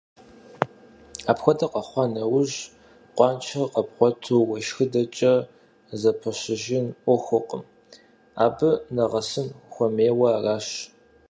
Апхуэдэ къэхъуа нэужь, къуаншэр къэбгъуэту уешхыдэкӀэ зэпэщыжын Ӏуэхукъым, абы нэгъэсын хуэмейуэ аращ.